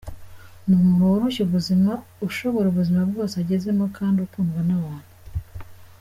Ni umuntu woroshya ubuzima, ushobora ubuzima bwose agezemo kandi ukundwa n’abantu.